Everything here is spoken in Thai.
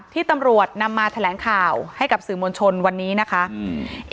ที่ตำรวจนำมาแถลงข่าวให้กับสื่อมวลชนวันนี้นะคะอืม